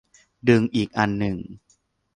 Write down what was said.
ดึงอีกอันหนึ่ง